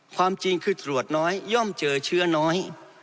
ความจริงคือตรวจน้อยย่อมเจอเชื้อน้อย